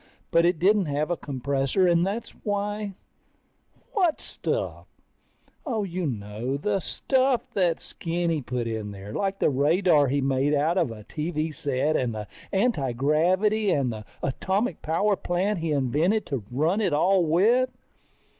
But it didn't have a compressor and that's why ... What stuff? Oh, you know, the stuff that Skinny put in there. Like the radar he made out of a TV set and the antigravity and the atomic power plant he invented to run it all with.